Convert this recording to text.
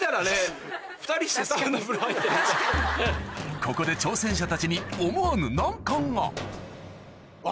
ここで挑戦者たちに思わぬ難関があれ？